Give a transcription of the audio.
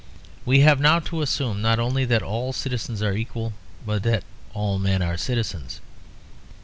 We have now to assume not only that all citizens are equal, but that all men are citizens.